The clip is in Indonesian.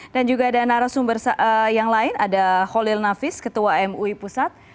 dan juga ada narasumber yang lain ada holil nafis ketua mui pusat